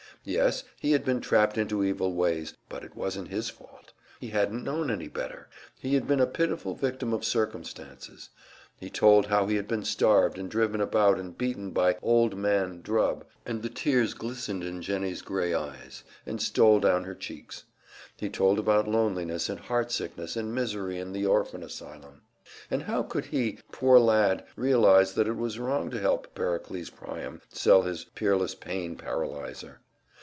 Yes, he had been trapped into evil ways, but it wasn't his fault, he hadn't known any better, he had been a pitiful victim of circumstances. He told how he had been starved and driven about and beaten by "Old Man" Drubb, and the tears glistened in Jennie's grey eyes and stole down her cheeks. He told about loneliness and heartsickness and misery in the orphan asylum. And how could he, poor lad, realize that it was wrong to help Pericles Priam sell his Peerless Pain Paralyzer?